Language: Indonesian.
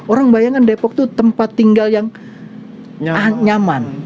orang bayangkan depok itu tempat tinggal yang nyaman